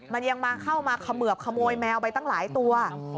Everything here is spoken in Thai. มันยังมาเข้ามาเขมือบขโมยแมวไปตั้งหลายตัว